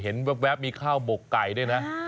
แว๊บมีข้าวหมกไก่ด้วยนะ